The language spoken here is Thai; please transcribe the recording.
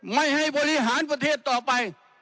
ไม่ให้บริหารประเทศต่อไป